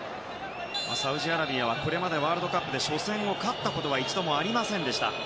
サウジアラビアはこれまでワールドカップで初戦を勝ったことが一度もありませんでした。